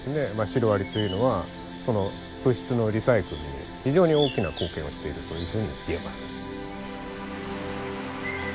シロアリというのは物質のリサイクルに非常に大きな貢献をしているというふうに言えます。